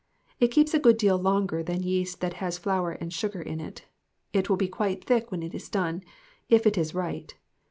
It keeps a good deal longer than yeast that has flour and sugar in it. It will be quite thick when it is done, if it is right.